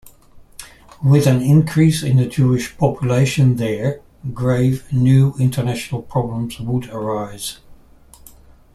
With an increase in the Jewish population there, grave, new international problems would arise.